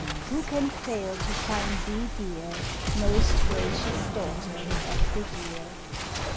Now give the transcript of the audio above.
who can fail to find thee dear, Most gracious daughter of the year?